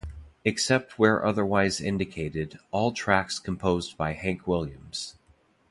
Except where otherwise indicated, all tracks composed by Hank Williams.